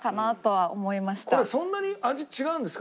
これそんなに味違うんですか？